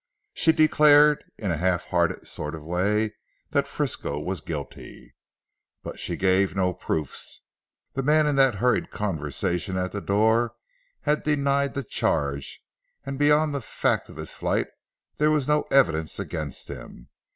She declared in a half hearted sort of way that Frisco was guilty. But she gave no proofs; the man in that hurried conversation at the door, had denied the charge, and beyond the fact of his flight there was no evidence against him.